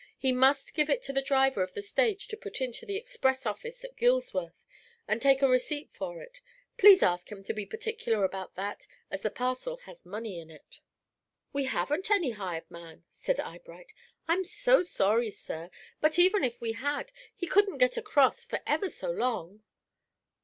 He must give it to the driver of the stage to put into the express office at Gillsworth, and take a receipt for it. Please ask him to be particular about that, as the parcel has money in it." "We haven't any hired man," said Eyebright. "I'm so sorry, sir. But even if we had, he couldn't get across for ever so long."